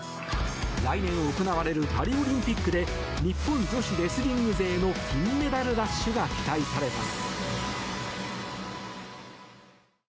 来年行われるパリオリンピックで日本女子レスリング勢の金メダルラッシュが期待されます。